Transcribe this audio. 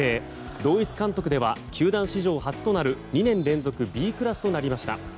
同一監督では球団史上初となる２年連続Ｂクラスとなりました。